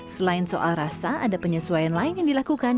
selain soal rasa ada penyesuaian lain yang dilakukan